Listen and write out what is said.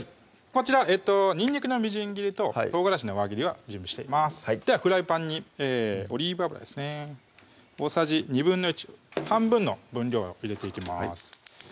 こちらにんにくのみじん切りと唐辛子の輪切りは準備していますではフライパンにオリーブ油ですね大さじ１／２半分の分量を入れていきます